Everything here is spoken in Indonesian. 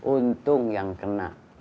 untung yang kena